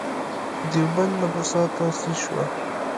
دیوبند مدرسه تاسیس شوه.